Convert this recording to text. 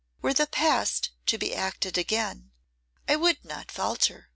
Were the past to be again acted, I would not falter.